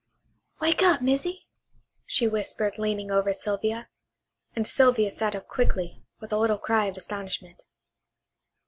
"Wake up, Missy," she whispered leaning over Sylvia; and Sylvia sat up quickly, with a little cry of astonishment.